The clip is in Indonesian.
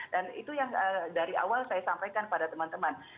dan itu yang dari awal saya sampaikan kepada teman teman